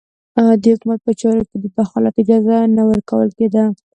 د حکومت په چارو کې د دخالت اجازه نه ورکول کېده.